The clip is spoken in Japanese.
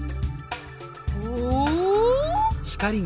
お？